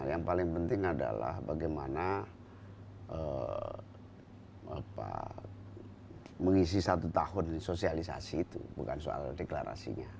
yang paling penting adalah bagaimana mengisi satu tahun sosialisasi itu bukan soal deklarasinya